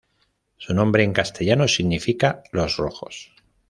Su nombre en castellano significa "Los Rojos".